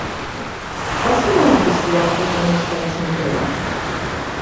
Va ser beneficiat organista de Sant Pere?